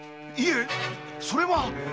いぇそれは。